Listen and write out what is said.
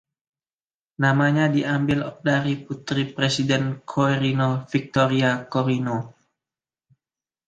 Namanya diambil dari putri Presiden Quirino, Victoria Quirino.